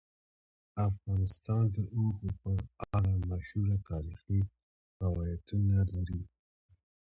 افغانستان د اوښ په اړه مشهور تاریخی روایتونه لري.